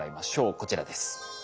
こちらです。